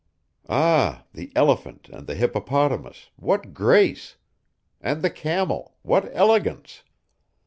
Ah! the elephant and the hippopotamus, what grace! And the camel, what elegance!